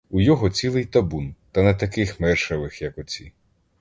У його цілий табун, та не таких миршавих, як оці.